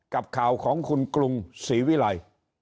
กับข่าวของคุณกรุงศรีวิรัย